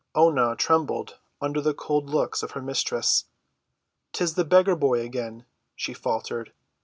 Oonah trembled under the cold looks of her mistress. "'Tis the beggar boy again," she faltered.